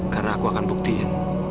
karena aku akan buktiin